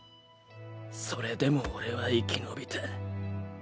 それでも俺は生き延びた